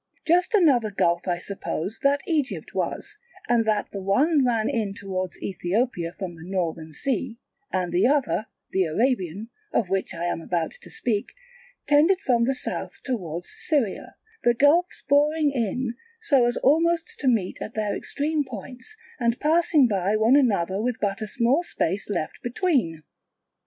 Just such another gulf I suppose that Egypt was, and that the one ran in towards Ethiopia from the Northern Sea, and the other, the Arabian, of which I am about to speak, tended from the South towards Syria, the gulfs boring in so as almost to meet at their extreme points, and passing by one another with but a small space left between.